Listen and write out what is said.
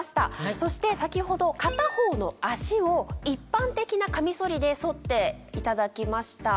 そして先程片方の脚を一般的なカミソリで剃っていただきました。